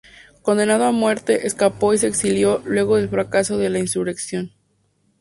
Condenado a muerte, escapó y se exilió luego del fracaso de la insurrección.